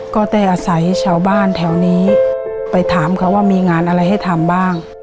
ก็ได้อาศัยชาวบ้านแถวนี้ไปถามเขาว่ามีงานอะไรให้ทำบ้าง